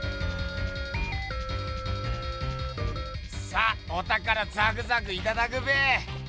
さあおたからザクザクいただくべ！